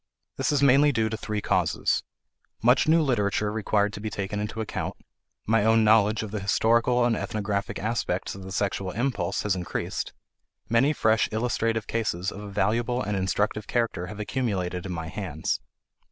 This is mainly due to three causes: Much new literature required to be taken into account; my own knowledge of the historical and ethnographic aspects of the sexual impulse has increased; many fresh illustrative cases of a valuable and instructive character have accumulated in my hands.